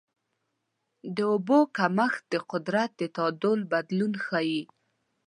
د اوبو کمښت د قدرت د تعادل بدلون ښيي.